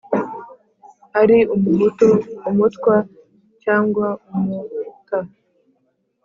ari umuhutu, umutwa cyangwa umut